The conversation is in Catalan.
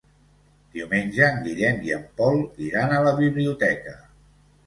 Diumenge en Guillem i en Pol iran a la biblioteca.